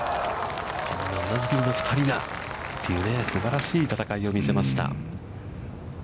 同じ組の２人がすばらしい戦いを見せました。